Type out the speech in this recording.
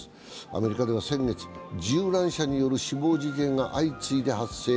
アメリカでは先月、銃乱射による死亡事件が相次いで発生。